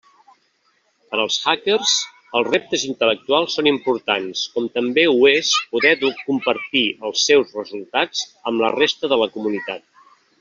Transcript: Per als hackers, els reptes intel·lectuals són importants, com també ho és poder compartir els seus resultats amb la resta de la comunitat.